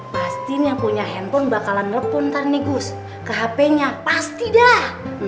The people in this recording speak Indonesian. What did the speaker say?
pasti anggunnya handphone bakalan telepon roller car piece